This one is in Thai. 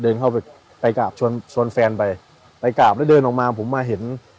เดินเข้าไปไปกราบชวนชวนแฟนไปไปกราบแล้วเดินออกมาผมมาเห็น